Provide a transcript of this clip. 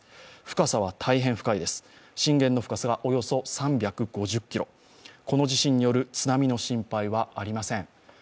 深さは大変深いです、震源の深さがおよそ３５０ｋｍ、この地震による津波の心配はありません。